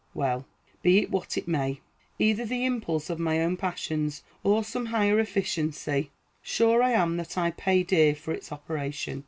Well, be it what it may, either the impulse of my own passions or some higher efficiency, sure I am that I pay dear for its operation.